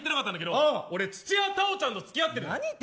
俺、土屋太鳳ちゃんとつき合ってるの。